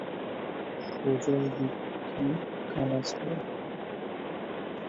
সোজা দিকটি কানা ছাড়া।